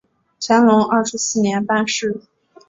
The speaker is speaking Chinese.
乾隆二十四年办事。